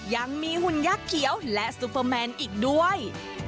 ยังมีหุ่นยักษ์เขียวและซูเปอร์แมนอีกด้วย